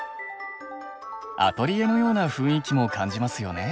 アトリエのような雰囲気も感じますよね。